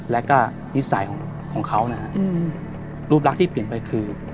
แล้วก็นิสัยของเขานะฮะรูปลักษณ์ที่เปลี่ยนไปคือ